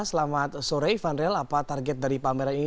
selamat sore fanrel apa target dari pameran ini